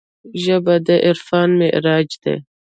ژبه د عرفان معراج دی